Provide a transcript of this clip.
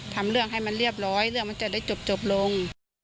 ทำเรื่องให้มันเรียบร้อยเรื่องมันจะได้จบลง